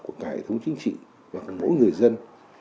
của cả hệ thống chính trị và mỗi người dân